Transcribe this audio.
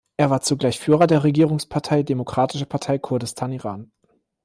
Er war zugleich Führer der Regierungspartei Demokratische Partei Kurdistan-Iran.